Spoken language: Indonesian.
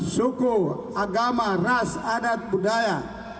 suku agama ras adat budaya